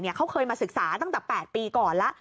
เนี่ยเค้าเคยมาศึกษาตั้งแต่๘ปีก่อนละ